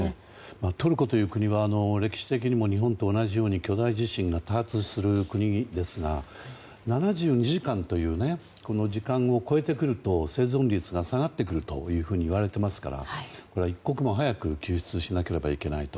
トルコという国は歴史的にも日本と同じように巨大地震が多発する国ですが７２時間という時間を超えてくると生存率が下がってくるというふうにいわれていますから一刻も早く救出しなければいけないと。